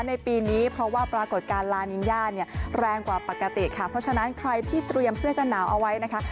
ในปีนี้เพราะว่าปรากฏการณ์ลานิงญาเนี่ยแรงกว่าปกติค่ะเพราะฉะนั้นใครที่เตรียมเสื้อกันหนาวเอาไว้นะคะ